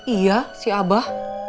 iya si abah